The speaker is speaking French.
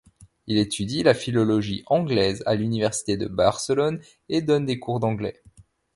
Il étude la philologie anglaise à l'Université de Barcelone et donne des cours d'anglais.